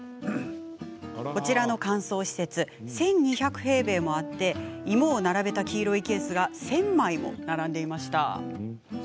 こちらの乾燥施設１２００平米もあって芋を並べた黄色いケースが１０００枚も並んでいました。